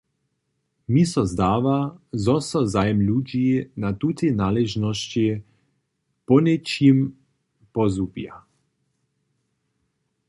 Mi so zdawa, zo so zajim ludźi na tutej naležnosći poněčim pozhubja.